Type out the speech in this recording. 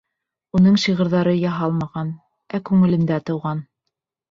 Уның шиғырҙары яһалмаған, ә күңелдә тыуған.